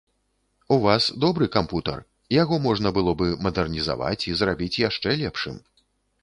У вас добры кампутар, яго можна было бы мадэрнізаваць і зрабіць яшчэ лепшым.